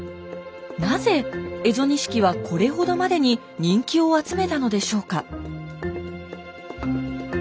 なぜ蝦夷錦はこれほどまでに人気を集めたのでしょうか。